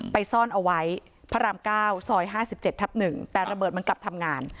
ไปซ่อนเอาไว้ภรรามเก้าสอยห้าสิบเจ็ดทับหนึ่งแต่ระเบิดมันกลับทำงาน